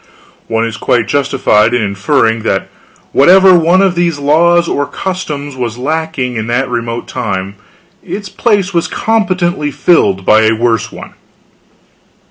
One is quite justified in inferring that whatever one of these laws or customs was lacking in that remote time, its place was competently filled by a worse one.